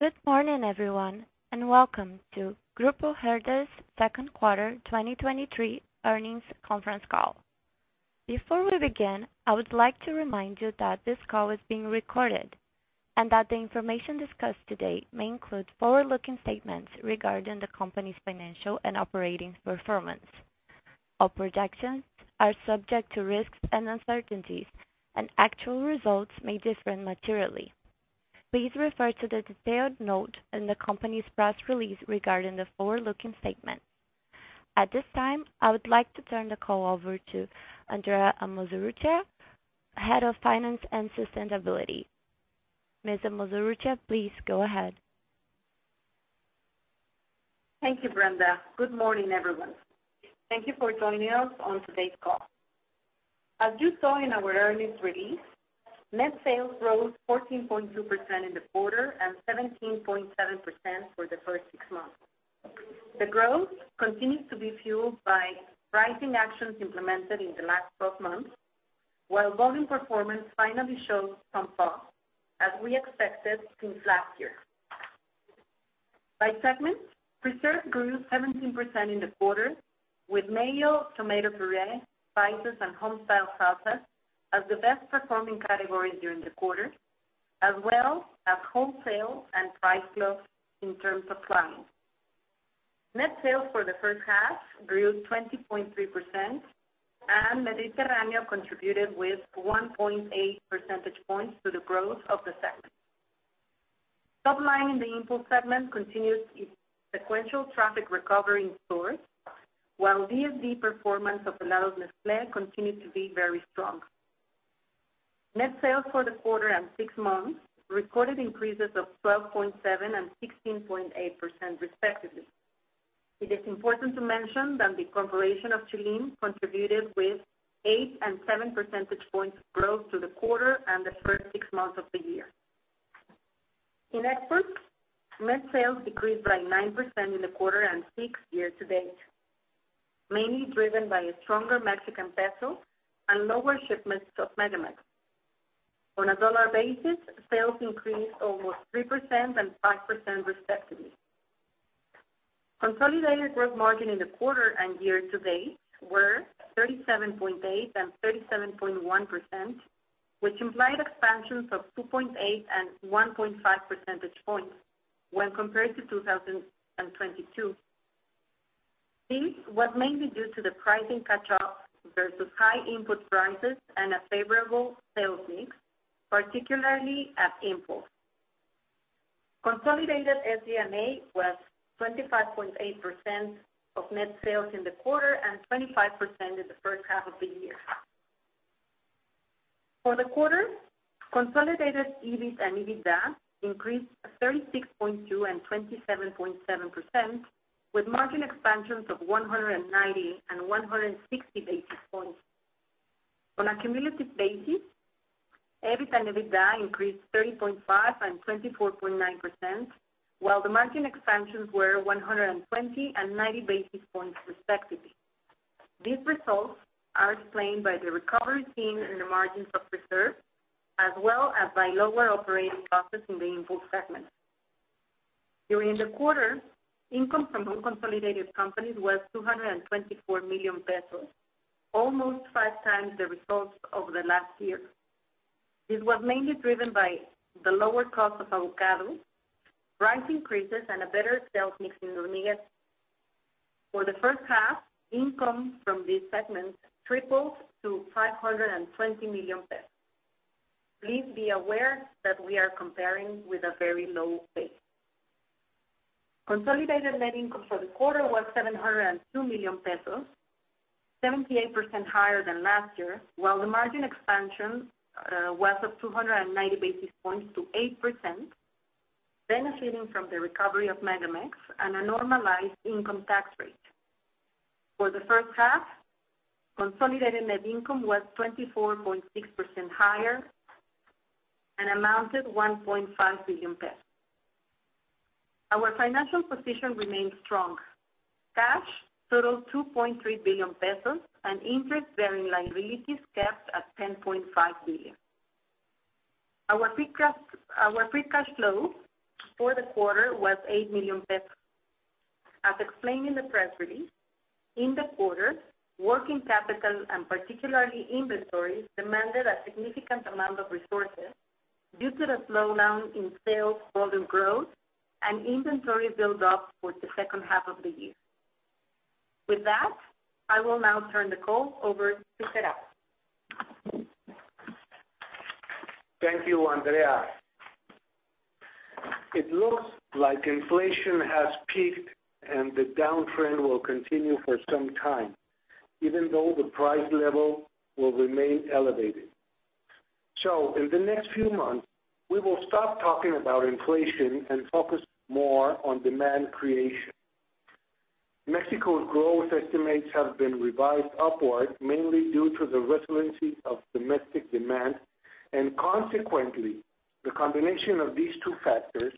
Good morning, everyone, welcome to Grupo Herdez's Second Quarter 2023 Earnings Conference Call. Before we begin, I would like to remind you that this call is being recorded, and that the information discussed today may include forward-looking statements regarding the company's financial and operating performance. All projections are subject to risks and uncertainties, and actual results may differ materially. Please refer to the detailed note in the company's press release regarding the forward-looking statement. At this time, I would like to turn the call over to Andrea Amozurrutia, Head of Finance and Sustainability. Ms. Amozurrutia, please go ahead. Thank you, Brenda. Good morning, everyone. Thank you for joining us on today's call. As you saw in our earnings release, net sales rose 14.2% in the quarter and 17.7% for the first six months. The growth continues to be fueled by pricing actions implemented in the last 12 months, while volume performance finally shows some fall, as we expected since last year. By segment, Preserves grew 17% in the quarter, with mayo, tomato puree, spices, and home-style sauces as the best performing categories during the quarter, as well as wholesale and price clubs in terms of volume. Net sales for the first half grew 20.3%, and Mediterráneo contributed with 1.8 percentage points to the growth of the segment. Top line in the Impulse segment continues its sequential traffic recovery in stores, while DSD performance of Helados Nestlé continued to be very strong. Net sales for the quarter and six months recorded increases of 12.7% and 16.8%, respectively. It is important to mention that the incorporation of Chilim Balam contributed with eight and seven percentage points of growth to the quarter and the first six months of the year. In exports, net sales decreased by 9% in the quarter and 6% year-to-date, mainly driven by a stronger Mexican peso and lower shipments of MegaMex. On a dollar basis, sales increased almost 3% and 5%, respectively. Consolidated growth margin in the quarter and year-to-date were 37.8% and 37.1%, which implied expansions of 2.8 and 1.5 percentage points when compared to 2022. These were mainly due to the pricing catch-up versus high input prices and a favorable sales mix, particularly at Impulse. Consolidated SD&A was 25.8% of net sales in the quarter and 25% in the first half of the year. For the quarter, consolidated EBIT and EBITDA increased 36.2% and 27.7%, with margin expansions of 190 and 160 basis points. On a cumulative basis, EBIT and EBITDA increased 30.5% and 24.9%, while the margin expansions were 120 and 90 basis points, respectively. These results are explained by the recovery seen in the margins of Preserves, as well as by lower operating costs in the Impulse segment. During the quarter, income from non-consolidated companies was 224 million pesos, almost five times the results of the last year. This was mainly driven by the lower cost of avocado, price increases, and a better sales mix in Nutrisa. For the first half, income from these segments tripled to 520 million pesos. Please be aware that we are comparing with a very low base. Consolidated net income for the quarter was 702 million pesos, 78% higher than last year, while the margin expansion was of 290 basis points to 8%, benefiting from the recovery of MegaMex and a normalized income tax rate. For the first half, consolidated net income was 24.6% higher and amounted 1.5 billion pesos. Our financial position remains strong. Cash totals 2.3 billion pesos, interest-bearing liabilities capped at 10.5 billion. Our free cash flow for the quarter was 8 million pesos. As explained in the press release, in the quarter, working capital, and particularly inventories, demanded a significant amount of resources due to the slowdown in sales volume growth and inventory build-up for the second half of the year. With that, I will now turn the call over to Gerardo. Thank you, Andrea. It looks like inflation has peaked and the downtrend will continue for some time, even though the price level will remain elevated. In the next few months, we will stop talking about inflation and focus more on demand creation. Mexico's growth estimates have been revised upward, mainly due to the resiliency of domestic demand. Consequently, the combination of these two factors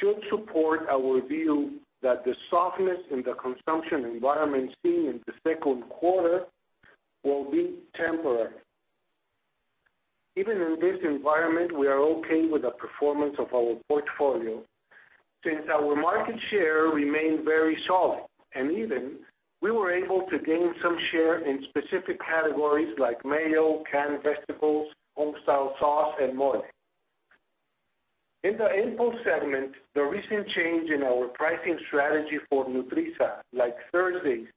should support our view that the softness in the consumption environment seen in the second quarter will be temporary. Even in this environment, we are okay with the performance of our portfolio. Since our market share remained very solid and even, we were able to gain some share in specific categories like mayo, canned vegetables, home-style sauces, and more. In the Impulse segment, the recent change in our pricing strategy for Nutrisa, like Thursday's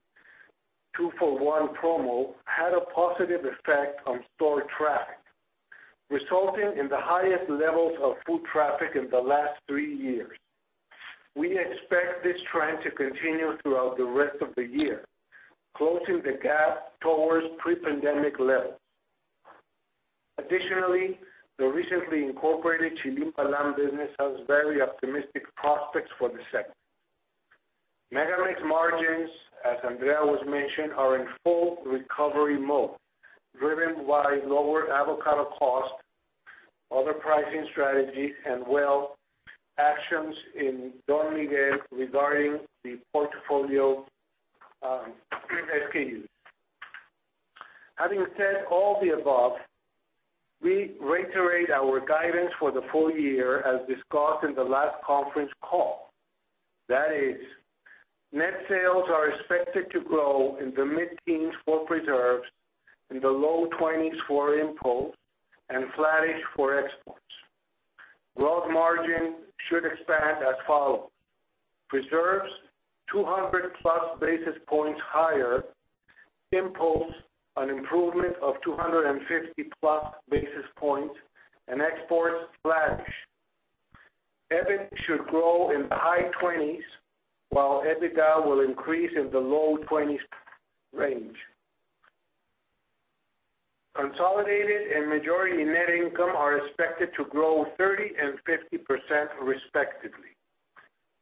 two for one promo, had a positive effect on store traffic, resulting in the highest levels of foot traffic in the last three years. We expect this trend to continue throughout the rest of the year, closing the gap towards pre-pandemic levels. The recently incorporated Chilim Balam business has very optimistic prospects for the sector. MegaMex margins, as Andrea was mentioning, are in full recovery mode, driven by lower avocado costs, other pricing strategies, and well, actions in Don Miguel regarding the portfolio SKUs. Having said all the above, we reiterate our guidance for the full year as discussed in the last conference call. That is, net sales are expected to grow in the mid-teens for Preserves, in the low 20s for Impulse, and flattish for exports. Growth margin should expand as follows: Preserves, 200+ basis points higher; Impulse, an improvement of 250+ basis points; and exports, flattish. EBIT should grow in the high 20s, while EBITDA will increase in the low 20s range. Consolidated and majority net income are expected to grow 30% and 50% respectively.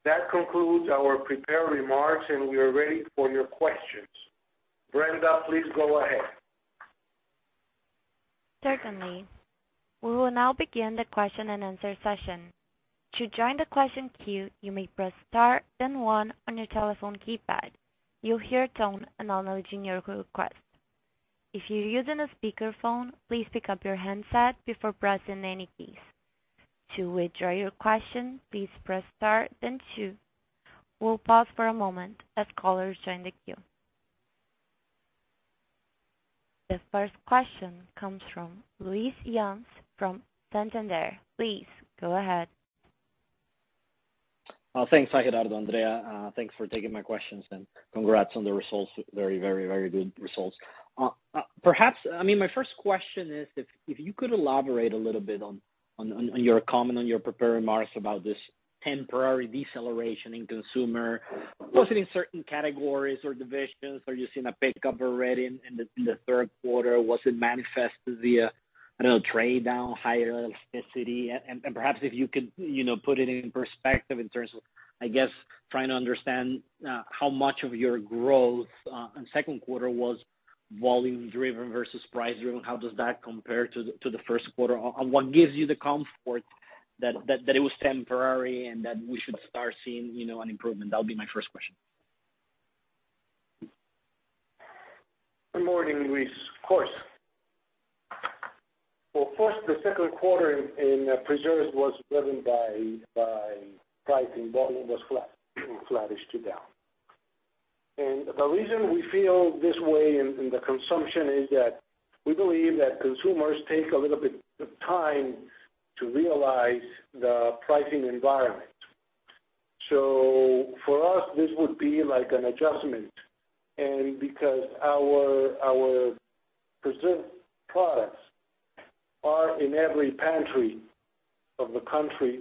That concludes our prepared remarks, and we are ready for your questions. Brenda, please go ahead. Certainly. We will now begin the question and answer session. To join the question queue, you may press star, then one on your telephone keypad. You'll hear a tone acknowledging your request. If you're using a speakerphone, please pick up your handset before pressing any keys. To withdraw your question, please press star then two. We'll pause for a moment as callers join the queue. The first question comes from Luis Yance from Santander. Please go ahead. Thanks, Gerardo, Andrea. Thanks for taking my questions, and congrats on the results. Very, very good results. Perhaps, I mean, my first question is if you could elaborate a little bit on your comment, on your prepared remarks about this temporary deceleration in consumer. Was it in certain categories or divisions? Are you seeing a pickup already in the third quarter? Was it manifested via, I don't know, trade down, higher elasticity? Perhaps if you could, you know, put it in perspective in terms of, I guess, trying to understand how much of your growth on second quarter was volume driven versus price driven. How does that compare to the first quarter? What gives you the comfort that it was temporary and that we should start seeing, you know, an improvement? That would be my first question. Good morning, Luis. Of course. Well, first, the second quarter in Preserves was driven by pricing. Volume was flat, flattish to down. The reason we feel this way in the consumption is that we believe that consumers take a little bit of time to realize the pricing environment. For us, this would be like an adjustment, and because our preserved products are in every pantry of the country,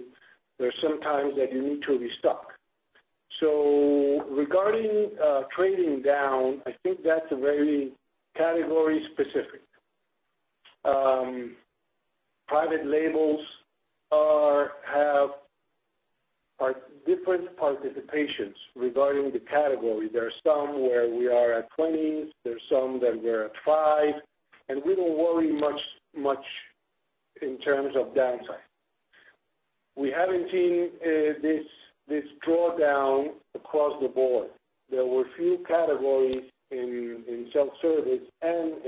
there are some times that you need to restock. Regarding trading down, I think that's very category specific. Private labels are different participations regarding the category. There are some where we are at 20%, there are some that we are at 5%, and we don't worry much in terms of downside. We haven't seen this drawdown across the board. There were few categories in self-service and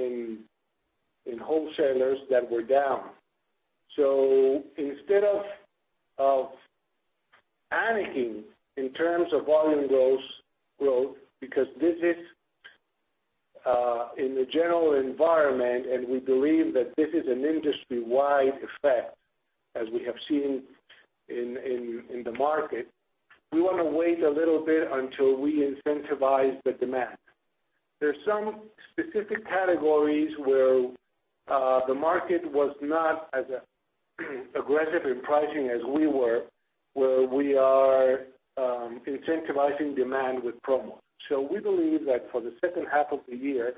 in wholesalers that were down. Instead of panicking in terms of volume growth, because this is in the general environment, and we believe that this is an industry-wide effect, as we have seen in the market, we want to wait a little bit until we incentivize the demand. There are some specific categories where the market was not as aggressive in pricing as we were, where we are incentivizing demand with promo. We believe that for the second half of the year,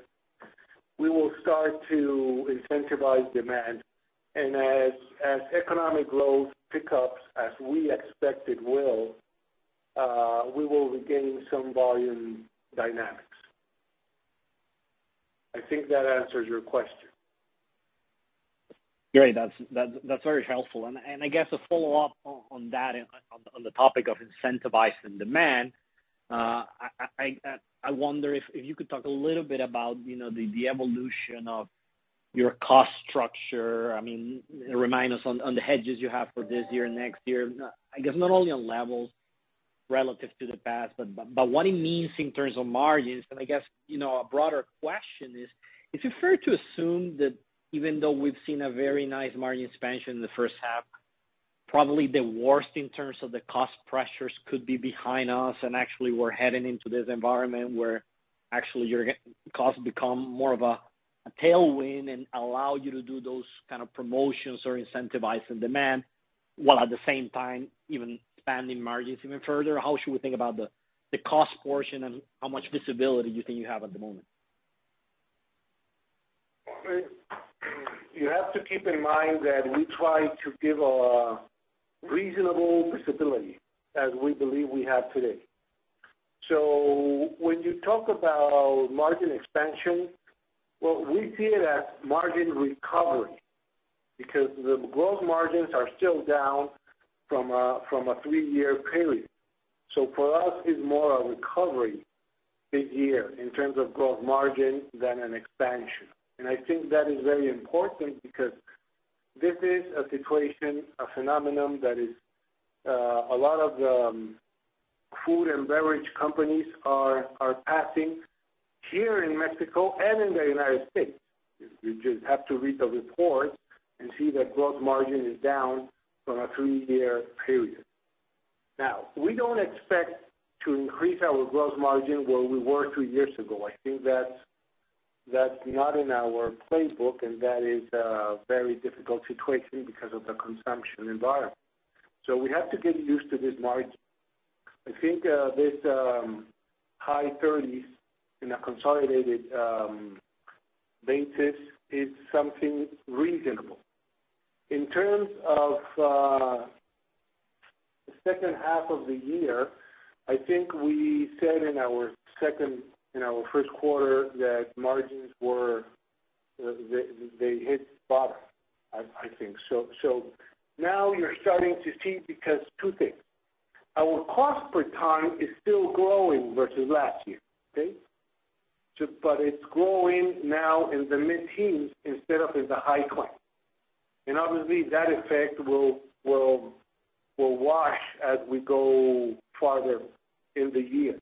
we will start to incentivize demand, and as economic growth pickups, as we expect it will, we will regain some volume dynamics. I think that answers your question. Great. That's very helpful. I guess a follow-up on that, on the, on the topic of incentivizing demand. I wonder if you could talk a little bit about, you know, the evolution of your cost structure. I mean, remind us on the hedges you have for this year and next year, I guess, not only on levels relative to the past, but what it means in terms of margins. I guess, you know, a broader question is: Is it fair to assume that even though we've seen a very nice margin expansion in the first half, probably the worst in terms of the cost pressures could be behind us, and actually we're heading into this environment where actually your costs become more of a tailwind and allow you to do those kind of promotions or incentivizing demand, while at the same time even expanding margins even further? How should we think about the cost portion and how much visibility you think you have at the moment? You have to keep in mind that we try to give a reasonable visibility as we believe we have today. When you talk about margin expansion, well, we see it as margin recovery, because the gross margins are still down from a three-year period. For us, it's more a recovery this year in terms of gross margin than an expansion. I think that is very important because this is a situation, a phenomenon that is a lot of the food and beverage companies are passing here in Mexico and in the United States. You just have to read the report and see that gross margin is down from a three-year period. We don't expect to increase our gross margin where we were two years ago. I think that's not in our playbook, and that is a very difficult situation because of the consumption environment. We have to get used to this margin. I think this high thirties in a consolidated basis is something reasonable. In terms of the second half of the year, I think we said in our second, in our first quarter, that margins were they hit bottom, I think. Now you're starting to see because two things: Our cost per ton is still growing versus last year, okay? But it's growing now in the mid-teens instead of in the [high climb]. Obviously, that effect will wash as we go farther in the year.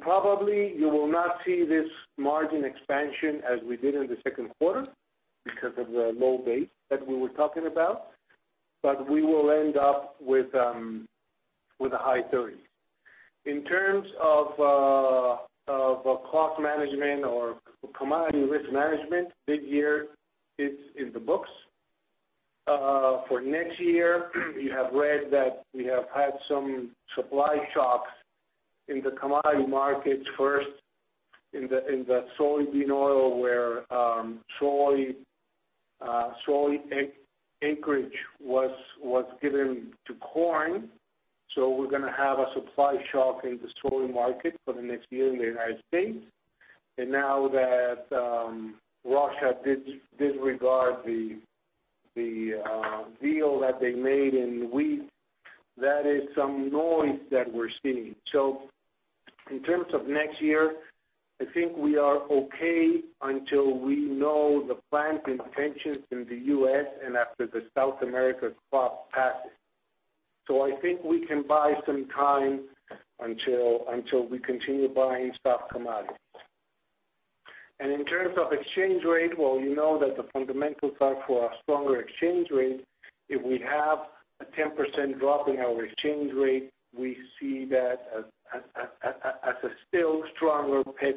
Probably you will not see this margin expansion as we did in the second quarter because of the low base that we were talking about, but we will end up with a high 30. In terms of cost management or commodity risk management, this year is in the books. For next year, you have read that we have had some supply shocks in the commodity markets, first in the soybean oil, where soy acreage was given to corn, so we're gonna have a supply shock in the soy market for the next year in the United States. Now that Russia disregard the deal that they made in wheat, that is some noise that we're seeing. In terms of next year, I think we are okay until we know the plant intentions in the U.S. and after the South America crop passes. I think we can buy some time until we continue buying stock commodities. In terms of exchange rate, well, you know that the fundamentals are for a stronger exchange rate. If we have a 10% drop in our exchange rate, we see that as a still stronger pitch.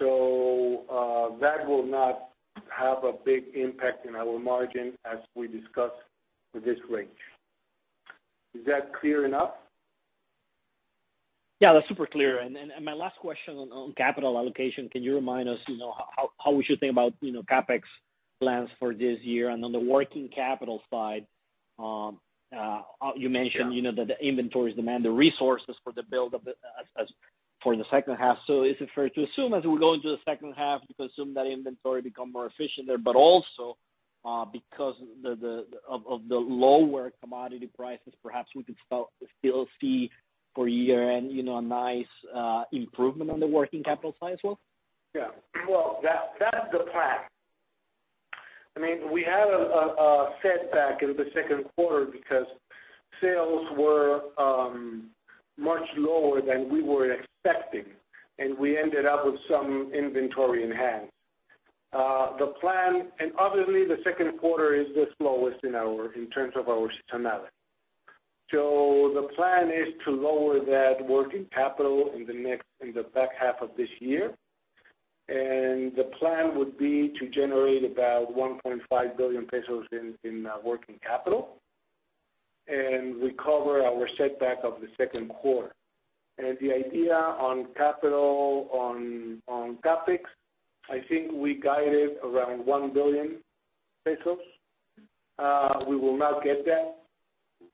That will not have a big impact in our margin as we discuss this range. Is that clear enough? Yeah, that's super clear. My last question on capital allocation, can you remind us, you know, how we should think about, you know, CapEx plans for this year? On the working capital side, you mentioned. Yeah. You know, that the inventories demand the resources for the build up as for the second half. Is it fair to assume as we go into the second half, we can assume that inventory become more efficient there, but also, because of the lower commodity prices, perhaps we could still see for year-end, you know, a nice improvement on the working capital side as well? Yeah. Well, that's the plan. I mean, we had a setback in the second quarter because sales were much lower than we were expecting, and we ended up with some inventory in hand. The plan. Obviously, the second quarter is the slowest in our, in terms of our seasonality. The plan is to lower that working capital in the next, in the back half of this year. The plan would be to generate about 1.5 billion pesos in working capital and recover our setback of the second quarter. The idea on capital on CapEx, I think we guided around 1 billion pesos. We will not get that.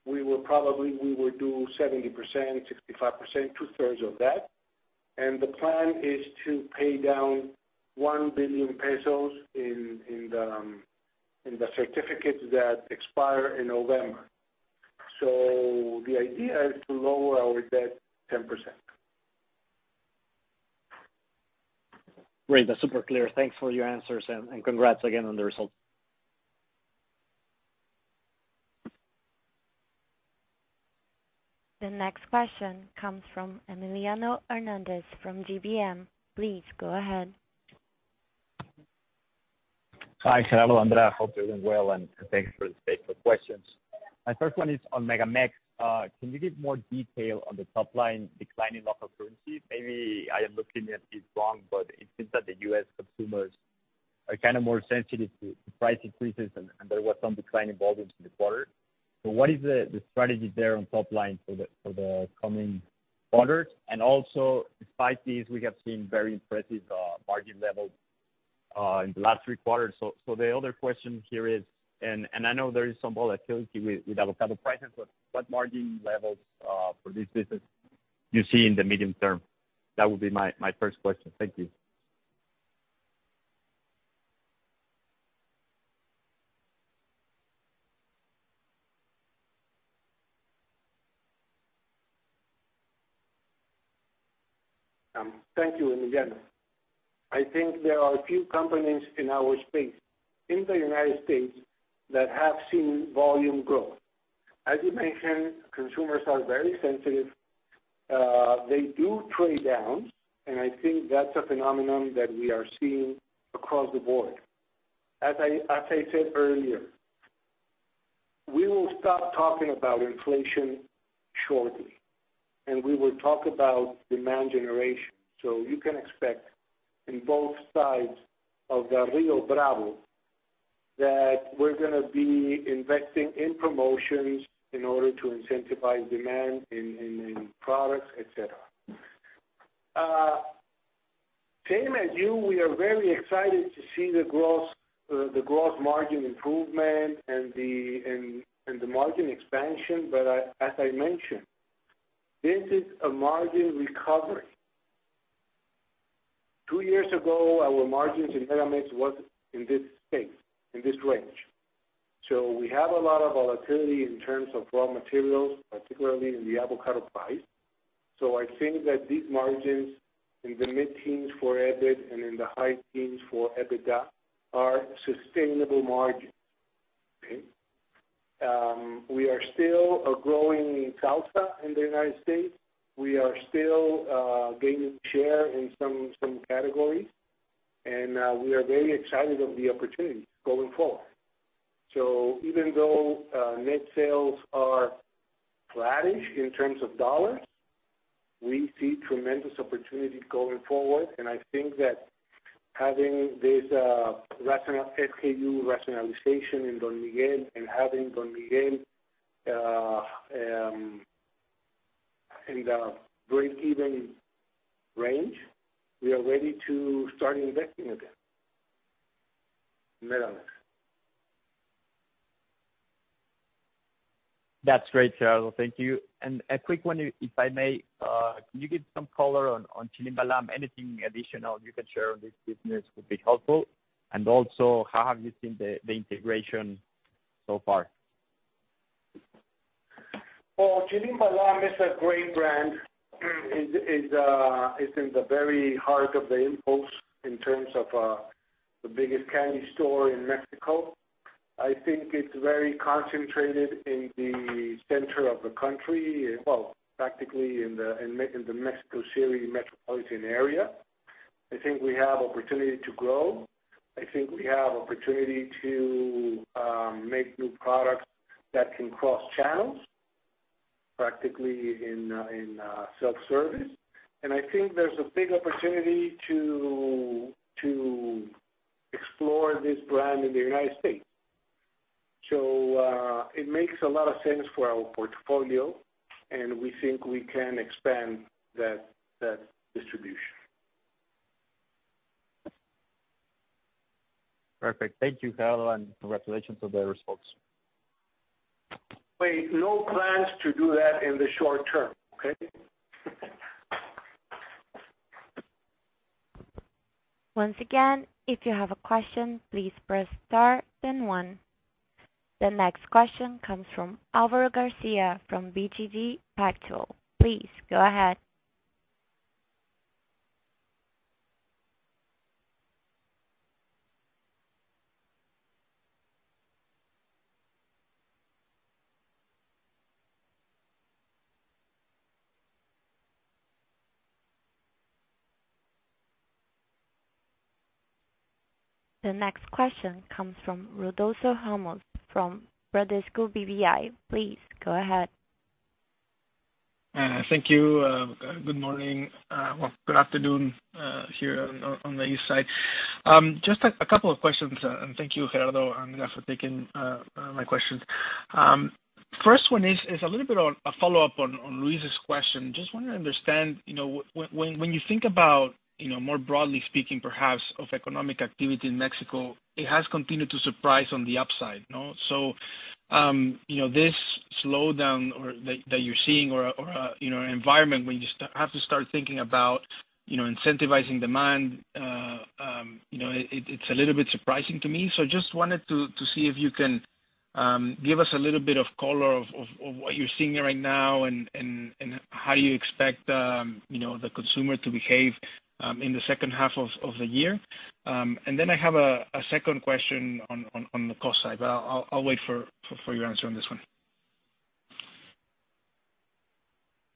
We will probably do 70%, 65%, two thirds of that. The plan is to pay down 1 billion pesos in the certificates that expire in November. The idea is to lower our debt 10%. Great! That's super clear. Thanks for your answers, and congrats again on the results. The next question comes from Emiliano Hernández from GBM. Please go ahead. Hi, Gerardo, Andrea, hope you're doing well, and thanks for the space for questions. My first one is on MegaMex. Can you give more detail on the top line decline in local currency? Maybe I am looking at it wrong, but it seems that the U.S. consumers are kind of more sensitive to price increases, and there was some decline in volumes in the quarter. What is the strategy there on top line for the coming quarters? Also, despite this, we have seen very impressive margin levels in the last three quarters. The other question here is, and I know there is some volatility with avocado prices, but what margin levels for this business you see in the medium term? That would be my first question. Thank you. Thank you, Emiliano. I think there are a few companies in our space in the United States that have seen volume growth. As you mentioned, consumers are very sensitive. They do trade down, and I think that's a phenomenon that we are seeing across the board. As I said earlier, we will stop talking about inflation shortly, and we will talk about demand generation. You can expect, in both sides of the Rio Bravo, that we're gonna be investing in promotions in order to incentivize demand in products, et cetera. Same as you, we are very excited to see the gross margin improvement and the margin expansion, as I mentioned, this is a margin recovery. Two years ago, our margins was in this space, in this range. We have a lot of volatility in terms of raw materials, particularly in the avocado price. I think that these margins in the mid-teens for EBIT and in the high teens for EBITDA are sustainable margins, okay. We are still growing in salsa in the United States. We are still gaining share in some categories, and we are very excited of the opportunity going forward. Even though net sales are flattish in terms of dollars, we see tremendous opportunity going forward, and I think that having this SKU rationalization in Don Miguel and having Don Miguel in the breakeven range, we are ready to start investing again. That's great, Gerardo. Thank you. A quick one, if I may. Can you give some color on Chilim Balam? Anything additional you can share on this business would be helpful. Also, how have you seen the integration so far? Chilim Balam is a great brand. Is in the very heart of the Impulse in terms of the biggest candy store in Mexico. I think it's very concentrated in the center of the country, well, practically in the Mexico City metropolitan area. I think we have opportunity to grow. I think we have opportunity to make new products that can cross channels, practically in self-service. I think there's a big opportunity to explore this brand in the United States. It makes a lot of sense for our portfolio, and we think we can expand that distribution. Perfect. Thank you, Gerardo. Congratulations on the results. Wait, no plans to do that in the short term, okay? Once again, if you have a question, please press star then one. The next question comes from Alvaro Garcia, from BTG Pactual. Please go ahead. The next question comes from Rodolfo Ramos, from Bradesco BBI. Please go ahead. Thank you. Good morning, well, good afternoon, here on the east side. Just a couple of questions, and thank you, Gerardo and Andrea, for taking my questions. First one is a little bit on, a follow-up on Luis's question. Just want to understand, you know, when you think about, you know, more broadly speaking, perhaps, of economic activity in Mexico, it has continued to surprise on the upside, you know? You know, this slowdown or that you're seeing or a, you know, environment where you have to start thinking about, you know, incentivizing demand, you know, it's a little bit surprising to me. Just wanted to see if you can give us a little bit of color of what you're seeing right now and how you expect, you know, the consumer to behave in the second half of the year. Then I have a second question on the cost side, but I'll wait for your answer on this one.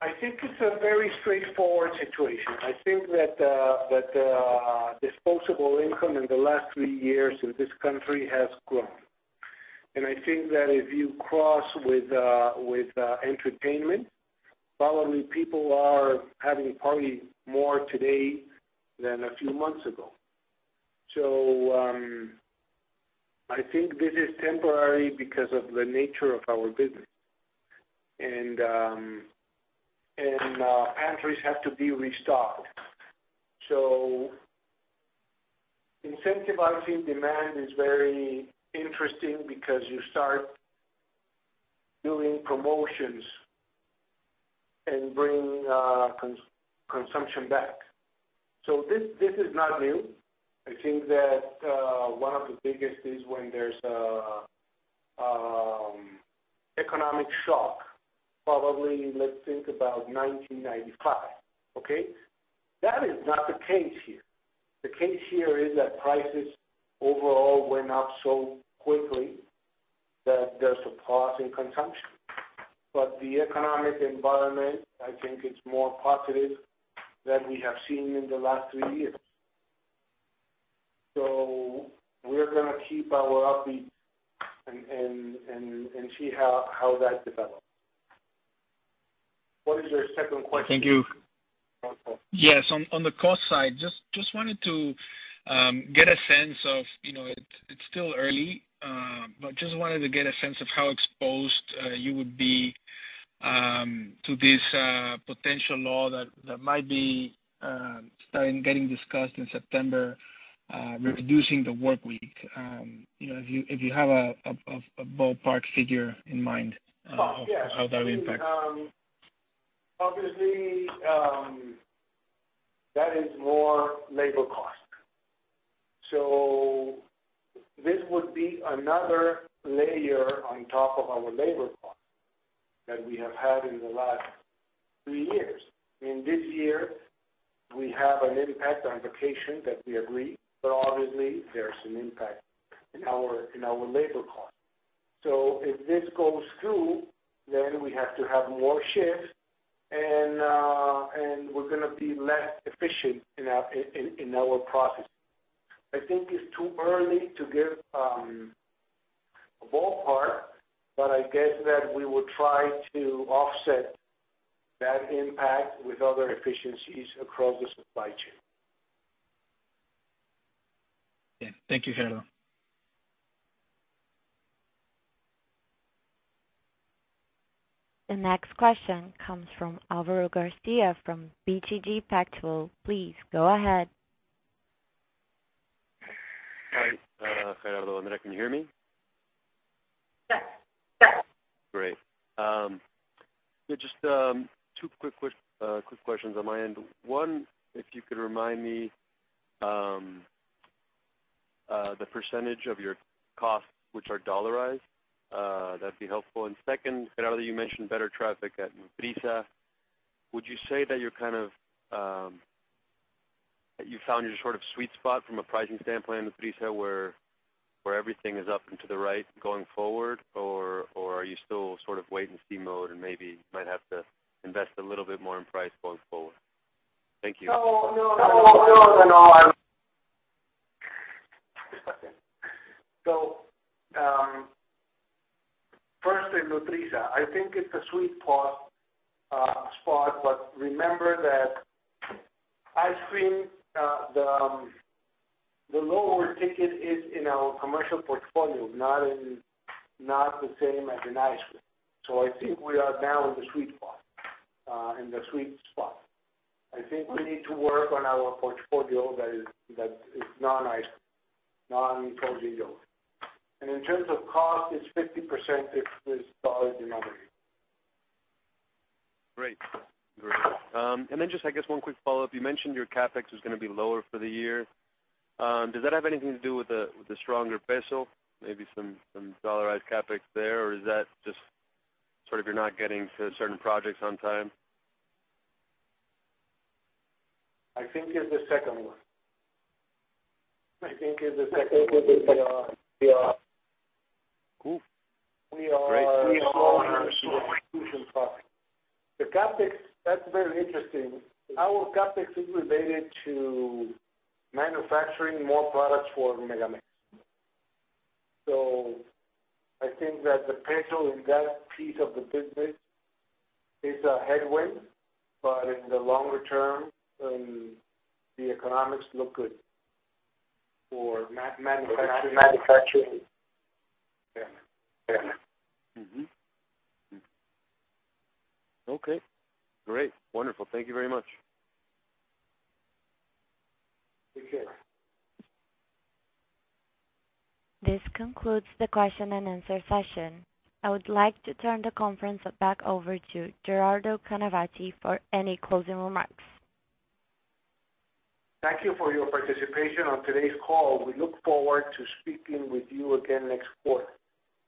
I think it's a very straightforward situation. I think that disposable income in the last three years in this country has grown. I think that if you cross with entertainment, probably people are having party more today than a few months ago. I think this is temporary because of the nature of our business. Pantries have to be restocked. Incentivizing demand is very interesting because you start doing promotions and bring consumption back. This is not new. I think that one of the biggest is when there's an economic shock, probably let's think about 1995, okay? That is not the case here. The case here is that prices overall went up so quickly that there's a pause in consumption. The economic environment, I think, it's more positive than we have seen in the last three years. We're gonna keep our upbeat and see how that develops. What is your second question? Thank you. Awesome. On the cost side, just wanted to get a sense of, you know, it's still early, but just wanted to get a sense of how exposed you would be to this potential law that might be starting getting discussed in September, reducing the work week. You know, if you have a ballpark figure in mind? Oh, yes. How that will impact? Obviously, that is more labor cost. This would be another layer on top of our labor cost that we have had in the last three years. In this year, we have an impact on vacation that we agree, but obviously there are some impact in our labor cost. If this goes through, then we have to have more shifts and we're gonna be less efficient in our process. I think it's too early to give a ballpark, but I guess that we would try to offset that impact with other efficiencies across the supply chain. Yeah. Thank you, Gerardo. The next question comes from Alvaro Garcia from BTG Pactual. Please go ahead. Hi, Gerardo, can you hear me? Yes. Yes. Great. Yeah, just two quick questions on my end. One, if you could remind me, the percentage of your costs, which are dollarized, that'd be helpful. Second, Gerardo, you mentioned better traffic at Nutrisa. Would you say that you're kind of, that you found your sort of sweet spot from a pricing standpoint in Nutrisa, where everything is up and to the right going forward? Or are you still sort of wait-and-see mode, and maybe might have to invest a little bit more in price going forward? Thank you. No, no, no. Firstly, Nutrisa, I think it's a sweet spot, but remember that ice cream, the lower ticket is in our commercial portfolio, not the same as in ice cream. I think we are now in the sweet spot. I think we need to work on our portfolio that is non-ice, non-frozen yogurt. In terms of cost, it's 50%, it's dollar denominator. Great. Great. Just, I guess one quick follow-up. You mentioned your CapEx is gonna be lower for the year. Does that have anything to do with the stronger peso? Maybe some dollarized CapEx there, or is that just sort of you're not getting to certain projects on time? I think it's the second one. We are. Cool. We are. Great. The CapEx, that's very interesting. Our CapEx is related to manufacturing more products for MegaMex. I think that the peso in that piece of the business is a headwind, but in the longer term, the economics look good for manufacturing. Yeah. Mm-hmm. Okay, great. Wonderful. Thank you very much. Take care. This concludes the question and answer session. I would like to turn the conference back over to Gerardo Canavati for any closing remarks. Thank you for your participation on today's call. We look forward to speaking with you again next quarter,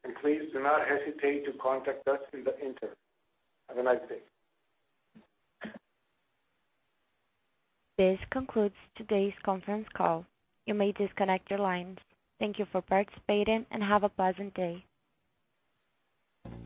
and please do not hesitate to contact us in the interim. Have a nice day. This concludes today's conference call. You may disconnect your lines. Thank you for participating, and have a pleasant day.